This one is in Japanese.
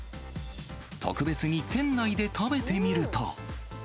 特別に店内で食べてみると。